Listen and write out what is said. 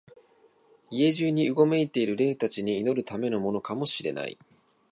家中にうごめいている霊たちに祈るためのものかも知れない、